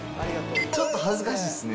ちょっと恥ずかしいですね。